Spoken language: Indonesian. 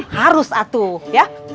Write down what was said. harus atu ya